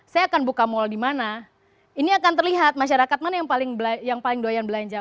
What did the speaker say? saya akan buka mal di mana ini akan terlihat masyarakat mana yang paling doyan belanja